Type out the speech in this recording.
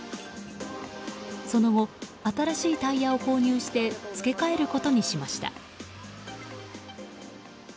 その後、新しいタイヤを購入してつけ替えることにしました。